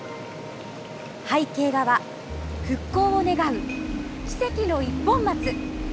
背景画は復興を願う「奇跡の一本松」。